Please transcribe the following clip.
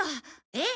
えっ？